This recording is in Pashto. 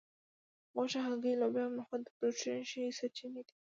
غوښه هګۍ لوبیا او نخود د پروټین ښې سرچینې دي